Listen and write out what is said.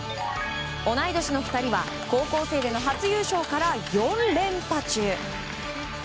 同い年の２人は高校生での初優勝から４連覇中。